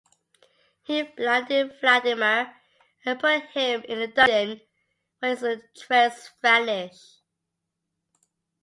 He blinded Vladimir and put him in a dungeon, where his trails vanish.